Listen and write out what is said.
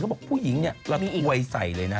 บอกผู้หญิงเนี่ยระอวยใส่เลยนะ